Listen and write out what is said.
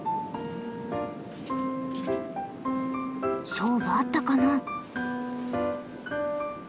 勝負あったかな？